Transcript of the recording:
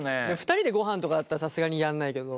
２人でごはんとかだったらさすがにやんないけど。